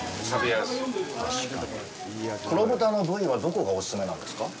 黒豚の部位は、どこがお勧めなんですか？